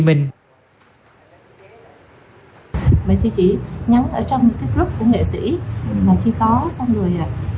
mình chỉ chỉ nhắn ở trong cái group của nghệ sĩ mà chỉ có sang người